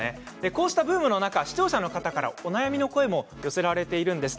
こうしたブームの中視聴者の方からお悩みの声も寄せられているんです。